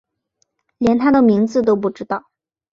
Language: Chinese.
连他的名字都不知道